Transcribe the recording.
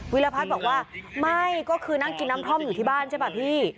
รพัฒน์บอกว่าไม่ก็คือนั่งกินน้ำท่อมอยู่ที่บ้านใช่ป่ะพี่